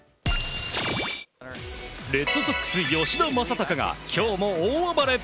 レッドソックス、吉田正尚が今日も大暴れ。